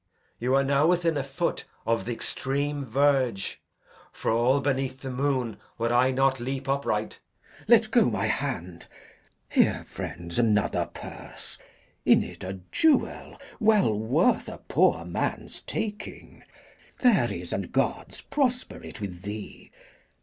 You are now within a foot Of th' extreme verge. For all beneath the moon Would I not leap upright. Glou. Let go my hand. Here, friend, is another purse; in it a jewel Well worth a poor man's taking. Fairies and gods Prosper it with thee!